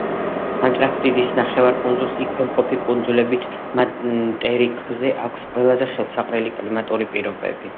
ანტარქტიდის ნახევარკუნძულს იქვე მყოფი კუნძულებით მატერიკზე აქვს ყველაზე ხელსაყრელი კლიმატური პირობები.